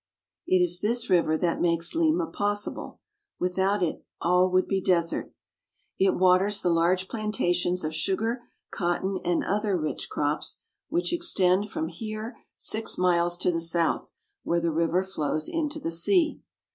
It is this river that makes Lima possible. Without it all would be desert. It waters the large plantations of sugar, cotton, and other rich crops which extend from 6o PERU. here six miles to the south, where the river flows into the sea.